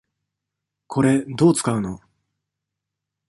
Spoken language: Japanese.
これ、どう使うの？